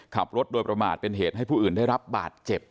ขับรถโดยประมาทเป็นเหตุให้ผู้อื่นได้รับบาดเจ็บ